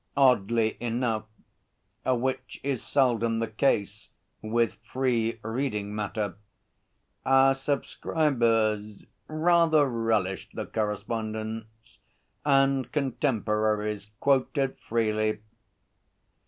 Oddly enough which is seldom the case with free reading matter our subscribers rather relished the correspondence, and contemporaries quoted freely.